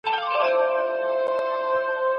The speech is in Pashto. که تقاضا زياته سي د توکو عرضه به هم ډېره سي.